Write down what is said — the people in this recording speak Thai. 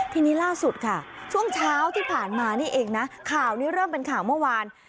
ทีนี้ล่าสุดค่ะช่วงเช้าที่ผ่านมานี่เองนะข่าวนี้เริ่มเป็นข่าวเมื่อวาน